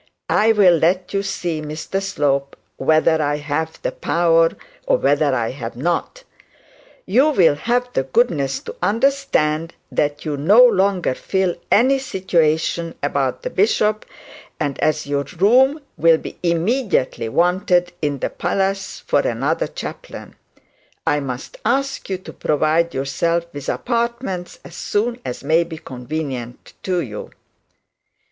I will let you see, Mr Slope, whether I have the power or whether I have not. You will have the goodness to understand that you no longer fill any situation about the bishop; and as your room will be immediately wanted in the palace for another chaplain, I must ask you to provide yourself with apartments as soon as may be convenient to you.'